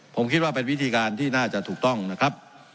ผมคิดว่าเป็นวิธีการที่น่าจะถูกต้องนะครับ